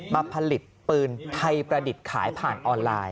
มาผลิตปืนไทยประดิษฐ์ขายผ่านออนไลน์